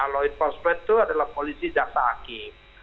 law enforcement itu adalah polisi jaksa hakim